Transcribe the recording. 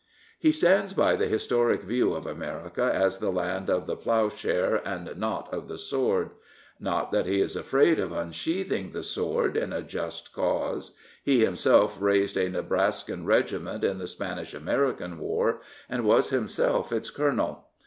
He stands by the historic view of America as the land of the plough share and not of the sword. Not that he is afraid of unsheathing the sword in a just cause. He himself raised a Nebraskan regiment in the Spanish American war, and was himself its colonel.